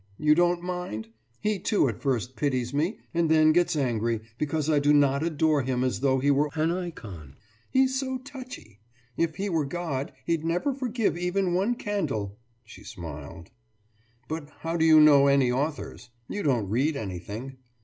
You don't mind? He too at first pities me, and then gets angry, because I do not adore him as though he were an icon. He's so touchy. If he were God, he'd never forgive even one candle,« she smiled. »But how do you know any authors? You don't read anything.